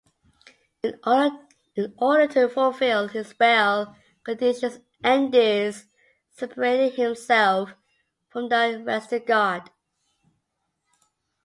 In order to fulfill his bail conditions, Andews separated himself from the Western Guard.